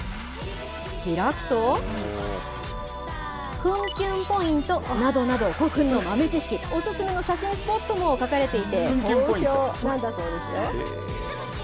開くと、墳キュンポイントなどなど、古墳の豆知識、お勧めの写真スポットも書かれていて、好評なんだそうですよ。